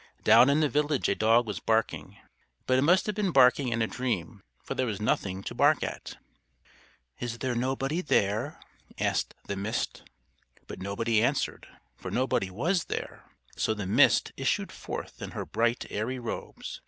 Down in the village a dog was barking. But it must have been barking in a dream, for there was nothing to bark at. "Is there anybody there?" asked the Mist. But nobody answered, for nobody was there. So the Mist issued forth in her bright, airy robes.